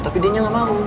tapi dia gak mau